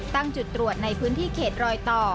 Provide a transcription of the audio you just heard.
ตั้งจุดตรวจในพื้นที่เขตรอยต่อ